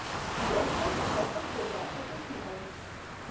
Ĝi estas ĉefe kovrata de pinoj.